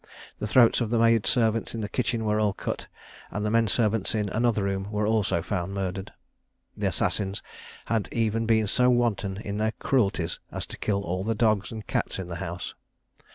The throats of the maid servants in the kitchen were all cut; and the men servants in another room were also found murdered. The assassins had even been so wanton in their cruelties as to kill all the dogs and cats in the house.